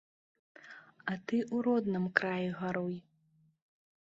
А ты ў родным краі гаруй.